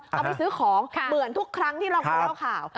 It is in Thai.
เอาไปซื้อของเหมือนทุกครั้งที่เราเคยเล่าข่าว